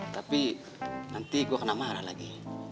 tapi nanti gue kena marah lagi